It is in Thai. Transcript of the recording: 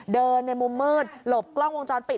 ในมุมมืดหลบกล้องวงจรปิด